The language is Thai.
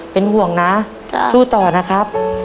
เป็นห่วงนะสู้ต่อนะครับ